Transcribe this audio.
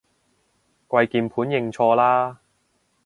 跪鍵盤認錯啦